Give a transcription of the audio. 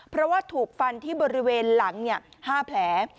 เพราะว่าถูกฟันที่บริเวณหลังเนี่ยห้าแผล